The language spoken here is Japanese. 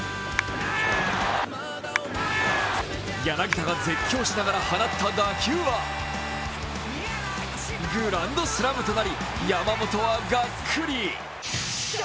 柳田が絶叫しながら放った打球はグランドスラムとなり、山本はガックリ。